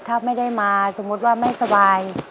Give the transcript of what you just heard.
ถ้าไม่ได้มาสมมุติว่าไม่สบาย